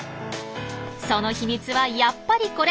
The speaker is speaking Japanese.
その秘密はやっぱりこれ。